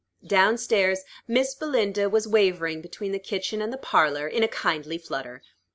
Down stairs, Miss Belinda was wavering between the kitchen and the parlor, in a kindly flutter.